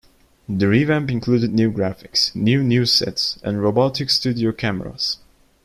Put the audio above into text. The revamp included new graphics, new news set, and robotic studio cameras.